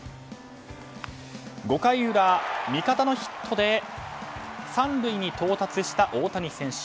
５回裏、味方のヒットで３塁に到達した大谷選手。